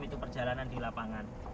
itu perjalanan di lapangan